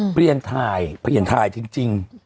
เปลี่ยนถ่ายเปลี่ยนถ่ายจริง